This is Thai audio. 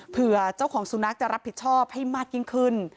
เจ้าของสุนัขจะรับผิดชอบให้มากยิ่งขึ้น